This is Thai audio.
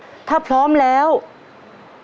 จะทำเวลาไหมครับเนี่ย